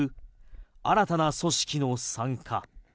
新たな組織の参加。